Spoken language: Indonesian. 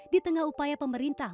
di tengah upaya pemerintah